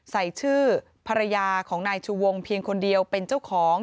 ใส่ชื่อภรรยาของนายชูวงเพียงคนเดียวเป็นเจ้าของ